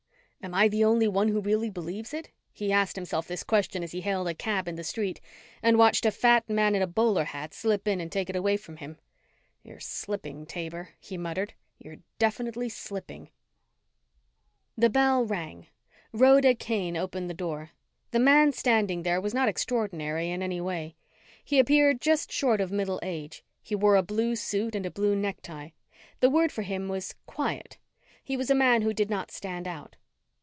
Am I the only one who really believes it? He asked himself this question as he hailed a cab in the street and watched a fat man in a bowler hat slip in and take it away from him. "You're slipping, Taber," he muttered. "You're definitely slipping." The bell rang. Rhoda Kane opened the door. The man standing there was not extraordinary in any way. He appeared just short of middle age. He wore a blue suit and a blue necktie. The word for him was quiet. He was a man who did not stand out.